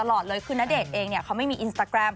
เพราะว่าคุณณเดชน์เองเนี่ยเขาไม่มีอินสตาแกรม